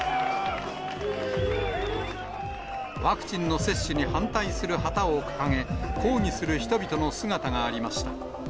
ワクチンの接種に反対する旗を掲げ、抗議する人々の姿がありました。